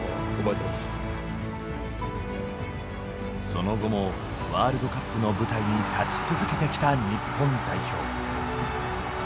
その後もワールドカップの舞台に立ち続けてきた日本代表。